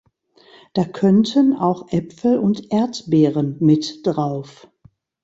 Da könnten auch Äpfel und Erdbeeren mit drauf.